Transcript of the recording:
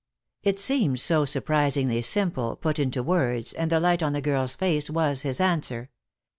It seemed so surprisingly simple, put into words, and the light on the girl's face was his answer.